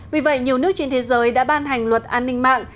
vì vậy nhiều nước trên thế giới đã ban hành luật an ninh mạng